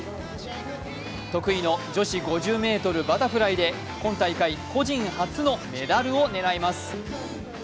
得意の女子５０ｍバタフライで今大会個人初のメダルを狙います。